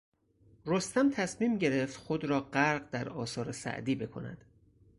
رستم تصمیم گرفت خود را غرق در آثار سعدی بکند.